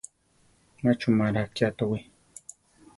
Má chumara akiá towí.